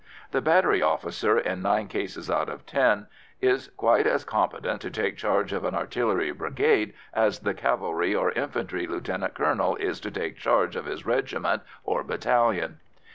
The battery officer, in nine cases out of ten, is quite as competent to take charge of an artillery brigade as the cavalry or infantry lieutenant colonel is to take charge of his regiment or battalion.